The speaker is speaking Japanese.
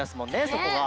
そこが。